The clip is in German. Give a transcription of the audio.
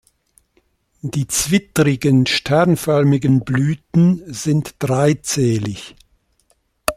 Die zwittrigen, sternförmigen Blüten sind dreizählig.